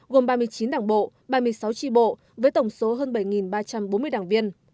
gồm ba mươi chín đảng bộ ba mươi sáu tri bộ với tổng số hơn bảy ba trăm bốn mươi đảng viên